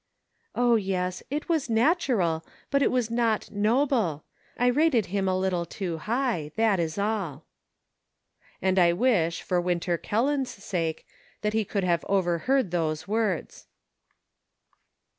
" O, yes, it was natural, but it was not noble. I rated him a little too high ; that is all." And I wish, for Winter Kelland's sake, that he could have overheard those words.